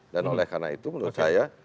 dan oleh karena itu menurut saya